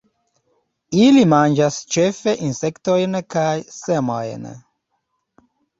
Ili manĝas ĉefe insektojn kaj semojn.